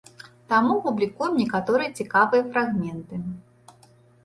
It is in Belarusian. Таму публікуем некаторыя цікавыя фрагменты.